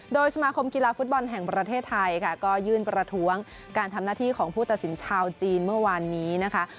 โดยสมาคมกีฬาฟุตบอลแห่งประเทศไทยค่ะก็ยื่นประท้วงการทำหน้าที่ของผู้ตัดสินชาวจีนเมื่อวานนี้นะคะ